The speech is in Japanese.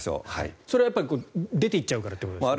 それは出ていっちゃうからということですね。